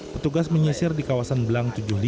petugas menyisir di kawasan belang tujuh puluh lima